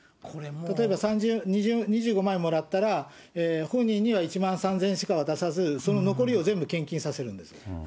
例えば２５万円もらったら、本人には１万３０００円しか渡さず、その残りを全部献金させるんです。